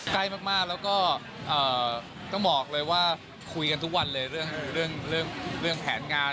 ใกล้มากแล้วก็ต้องบอกเลยว่าคุยกันทุกวันเลยเรื่องแผนงาน